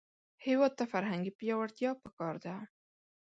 هېواد ته فرهنګي پیاوړتیا پکار ده